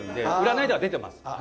占いでは出てます。